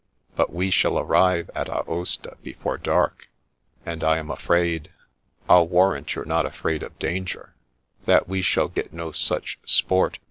But we shall arrive at Aosta before dark, and I am afraid " "I'll warrant you're not afraid of danger." " That we shall get no such sport.